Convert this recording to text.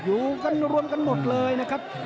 อยู่กันรวมกันหมดเลยนะครับ